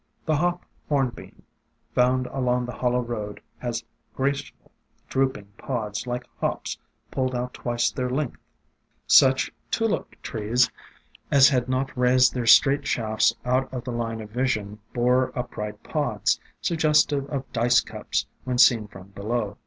The Hop Hornbeam found along the Hollow road has graceful, drooping pods like Hops pulled out twice their length. Such Tulip trees as had not raised their straight shafts out of the line of vision bore upright pods, sug gestive of dice cups when seen from below.